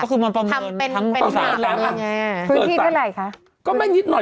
ก็คือมันไว้เคยได้พื้นที่เท่าไหร่ค่ะก็แบ่งนี้หน่อย